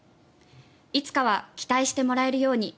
いつかは期待してもらえるように。